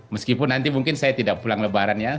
meskipun nanti mungkin saya tidak pulang lebaran ya